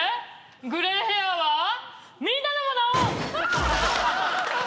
グレーヘアはみんなのもの！